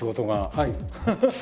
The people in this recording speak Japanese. はい。